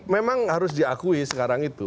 memang harus diakui sekarang itu